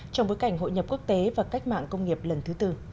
trong bối cảnh hội nhập quốc tế và cách mạng công nghiệp lần thứ tư